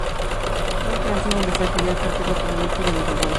Fue en Francia donde se afilió al Partido Comunista del Uruguay.